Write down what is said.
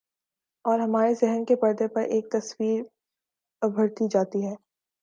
اورہمارے ذہن کے پردے پر ایک تصویر ابھرتی جاتی ہے۔